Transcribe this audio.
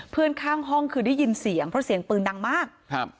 เพื่อนข้างห้องคือได้ยินเสียงเพราะเสียงปืนดังมากครับ